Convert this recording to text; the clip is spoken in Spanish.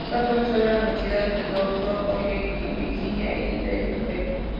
Fue profesor en las universidades de Bowdoin College, Virginia y Denver.